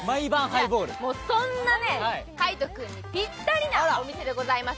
そんな海音君にぴったりなお店でございます。